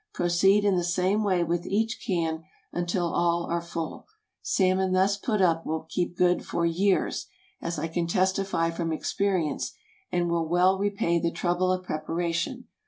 Proceed in the same way with each can until all are full. Salmon thus put up will keep good for years, as I can testify from experience, and will well repay the trouble of preparation.